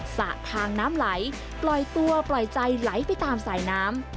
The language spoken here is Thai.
สระทางน้ำไหลปล่อยตัวปล่อยใจไหลไปตามสายน้ำ